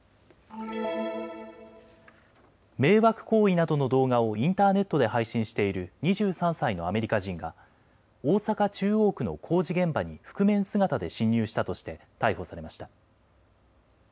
迷惑行為などの動画をインターネットで配信している２３歳のアメリカ人が大阪中央区の工事現場に覆面姿で侵入したとして逮捕されました。